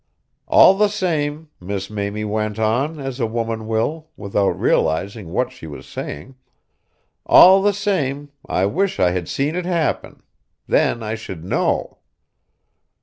"All the same," Miss Mamie went on, as a woman will, without realising what she was saying, "all the same, I wish I had seen it happen. Then I should know."